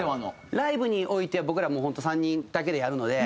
ライブにおいては僕らもう本当３人だけでやるので。